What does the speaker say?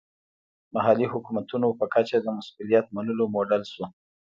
محلي حکومتونو په کچه د مسوولیت منلو موډل شو.